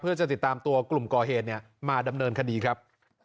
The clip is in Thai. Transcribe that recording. เพื่อจะติดตามตัวกลุ่มก่อเหตุมาดำเนินคดีครับ